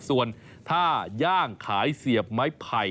ส่วนถ้าย่างขายเสียบไม้ไผ่